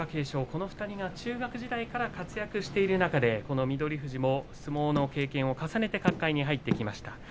この２人が中学時代から活躍をしている中で翠富士も相撲の経験を重ねて角界に入ってきました。